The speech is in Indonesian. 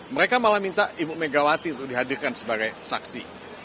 mereka malah minta ibu megawati untuk dihadirkan sebagai saksi